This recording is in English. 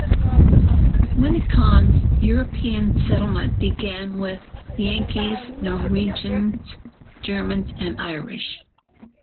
Winneconne's European settlement began with Yankees, Norwegians, Germans, and Irish.